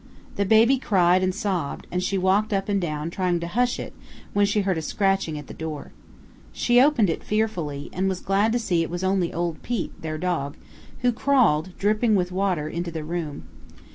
The baby cried and sobbed, and she walked up and down trying to hush it when she heard a scratching at the door. She opened it fearfully, and was glad to see it was only old Pete, their dog, who crawled, dripping with water, into the room.